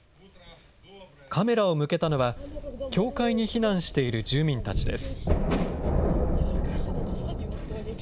カメラを向けたのは、教会に避難している住民たちです。